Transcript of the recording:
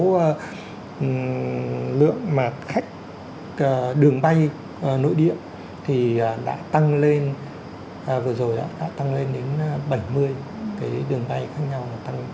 số lượng khách đường bay nội địa thì đã tăng lên vừa rồi đã tăng lên đến bảy mươi cái đường bay khác nhau